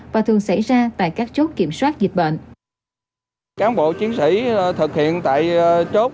và thường xảy ra tại các chốt kiểm soát dịch bệnh